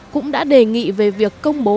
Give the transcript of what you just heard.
cũng đã đề nghị về việc công bố